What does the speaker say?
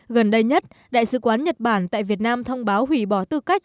gần đây nhất đại sứ quán nhật bản tại việt nam thông báo hủy bỏ tư cách